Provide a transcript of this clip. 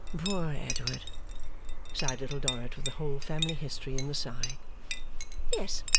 'Poor Edward!' sighed Little Dorrit, with the whole family history in the sigh. 'Yes.